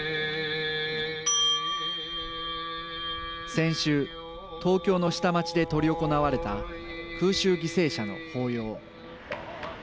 先週、東京の下町で執り行われた空襲犠牲者の法要。